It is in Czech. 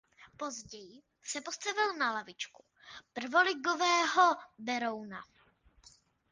Později se postavil na lavičku prvoligového Berouna.